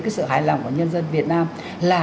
cái sự hài lòng của nhân dân việt nam là